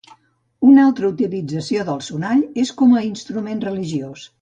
Una altra utilització del sonall és com a instrument religiós.